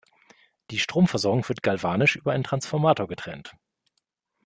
Die Stromversorgung wird galvanisch über einen Transformator getrennt.